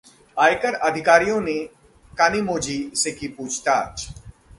आयकर अधिकारियों ने कनिमोझी से की पूछताछ